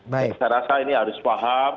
saya rasa ini harus paham